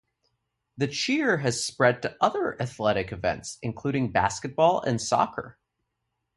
The cheer has spread to other athletic events including basketball and soccer.